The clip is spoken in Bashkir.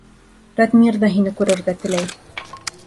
Радмир ҙа һине күрергә теләй.